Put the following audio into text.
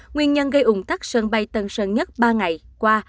nguyên nhân gây ủng tắc sân bay tân sơn nhất ba ngày qua